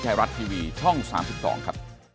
เจ็ดโมงสี่สิบครับ